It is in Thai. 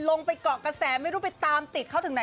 เกาะกระแสไม่รู้ไปตามติดเขาถึงไหน